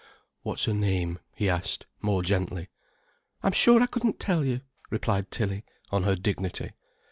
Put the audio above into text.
"What's her name?" he asked, more gently. "I'm sure I couldn't tell you," replied Tilly, on her dignity.